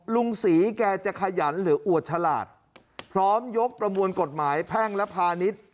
ลุงศรีแกจะขยันหรืออวดฉลาดพร้อมยกประมวลกฎหมายแพ่งและพาณิชย์